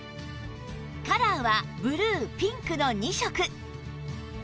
カラーはブルーピンクの２色